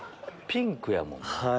ピンクやもん。